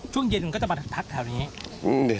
ช่วงเย็นมันก็จะมาพักแถวนี้